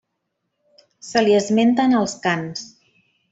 Se li esmenta en els cants.